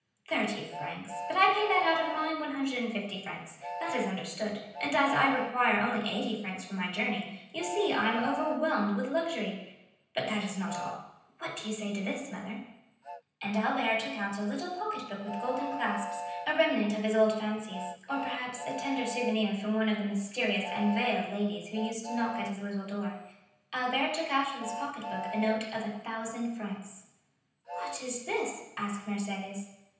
"Thirty francs; but I pay that out of my 150 francs,—that is understood,—and as I require only eighty francs for my journey, you see I am overwhelmed with luxury. But that is not all. What do you say to this, mother?" And Albert took out of a little pocket book with golden clasps, a remnant of his old fancies, or perhaps a tender souvenir from one of the mysterious and veiled ladies who used to knock at his little door,—Albert took out of this pocket book a note of 1,000 francs. "What is this?" asked Mercédès.